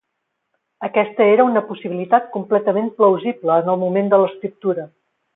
Aquesta era una possibilitat completament plausible en el moment de l'escriptura.